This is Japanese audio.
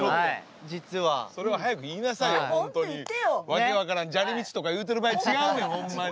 訳分からん砂利道とか言うとる場合違うよホンマに。